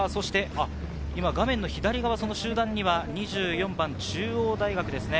画面の左側、集団には２４番、中央大学ですね。